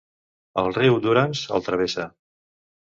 El riu Durance el travessa.